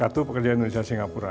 kartu pekerja indonesia singapura